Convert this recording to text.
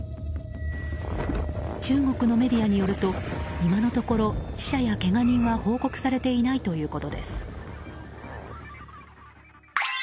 中国のメディアによると今のところ死者やけが人は報告されていないということです。